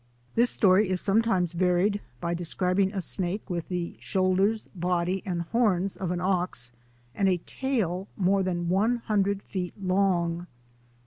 This story is some times varied by describing a snake with the shoul ders, body, and horns of an ox, and a tail more than one hundred feet long.